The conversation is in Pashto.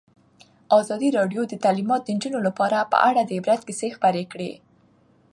ازادي راډیو د تعلیمات د نجونو لپاره په اړه د عبرت کیسې خبر کړي.